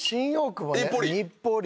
日暮里。